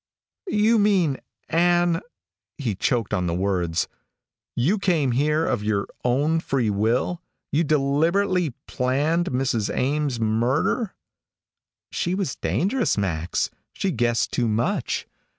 "You mean, Ann " He choked on the words. "You came here of your own free will? You deliberately planned Mrs. Ames' murder?" "She was dangerous, Max. She guessed too much.